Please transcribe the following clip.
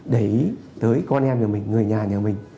để ý tới con em nhà mình người nhà nhà mình